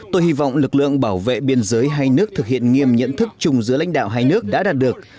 tôi hy vọng lực lượng bảo vệ biên giới hai nước thực hiện nghiêm nhận thức chung giữa lãnh đạo hai nước đã đạt được